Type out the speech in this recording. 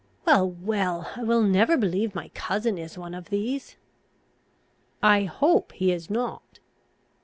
"Well, well, I will never believe my cousin is one of these." "I hope he is not."